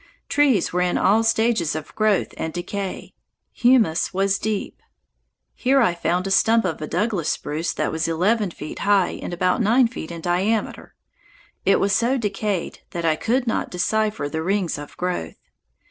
Trees were in all stages of growth and decay. Humus was deep. Here I found a stump of a Douglas spruce that was eleven feet high and about nine feet in diameter. It was so decayed that I could not decipher the rings of growth.